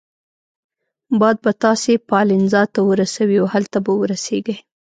باد به تاسي پالنزا ته ورسوي او هلته به ورسیږئ.